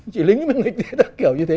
chỉ lính mới nghĩ ra kiểu như thế mà